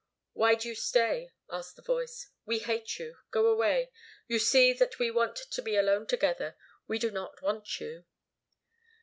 "Why do you stay?" asked the voice. "We hate you. Go away. You see that we want to be alone together. We do not want you."